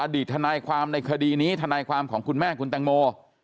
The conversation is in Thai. ทนายความในคดีนี้ทนายความของคุณแม่คุณแตงโม